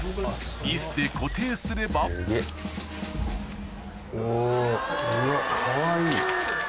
ビスで固定すればおぉうわかわいい。